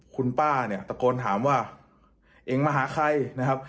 คุณป้าตะโกนถามว่าเองมาหาใคร